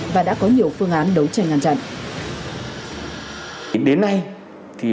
và đã có nhiều phương án đấu tranh ngăn chặn